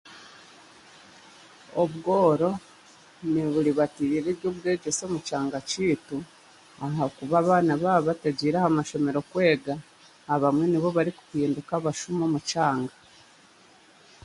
Obworo niburibatiriire eby'obwegyese omu kyanga kyaitu, ahakuba abaana baabatagiire aha mashomero kwega, abamwe nibo barikuhinduka abashuma omu kyanga.